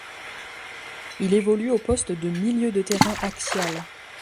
Il évolue au poste de milieu de terrain axial.